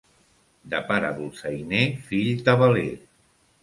De pare dolçainer, fill tabaler.